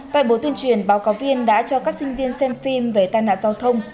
tại buổi tuyên truyền báo cáo viên đã cho các sinh viên xem phim về tai nạn giao thông